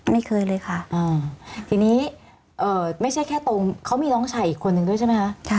ไม่เคยเลยค่ะทีนี้ไม่ใช่แค่ตรงเขามีน้องชายอีกคนนึงด้วยใช่ไหมคะ